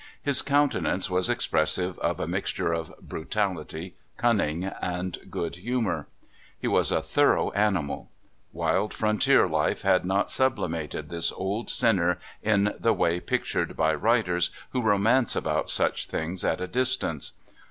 His countenance was expressive of a mixture of brutality, cunning, and good humor. He was a thorough animal; wild frontier life had not sublimated this old sinner in the way pictured by writers who romance about siu h things at a distance.